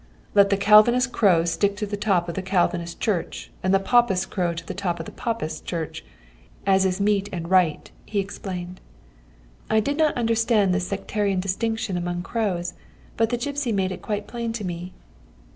"'Let the Calvinist crow stick to the top of the Calvinist church, and the Papist crow to the top of the Papist church, as is meet and right,' he explained. "I did not understand this sectarian distinction among crows, but the gipsy made it quite plain to me.